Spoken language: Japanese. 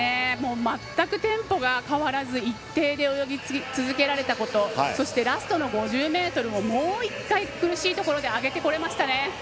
全くテンポが変わらず一定で泳ぎ続けられたことそして、ラストの５０ｍももう一回苦しいところで上げてこれましたね。